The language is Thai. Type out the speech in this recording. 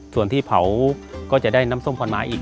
ส่วนที่เผาก็จะได้น้ำส้มพันไม้อีก